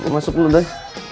gue masuk dulu doy